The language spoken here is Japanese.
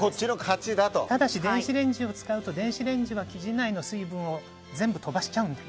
ただし電子レンジを使うと電子レンジは生地内の水分を全部、飛ばしちゃうので。